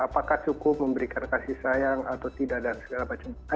saya dengan senang hati akan mengasah imran